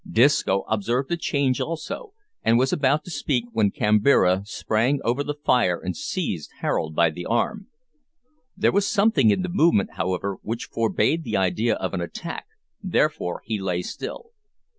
Disco observed the change also, and was about to speak, when Kambira sprang over the fire and seized Harold by the arm. There was something in the movement, however, which forbade the idea of an attack, therefore he lay still.